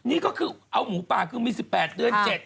นี่ก็คือเอาหมูป่าคือมี๑๘เดือน๗